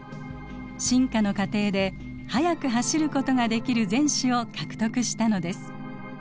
進化の過程で速く走ることができる前肢を獲得したのです。